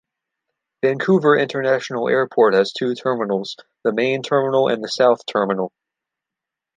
Vancouver International Airport has two terminals: the Main Terminal and the South Terminal.